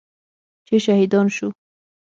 چې شهیدان شو.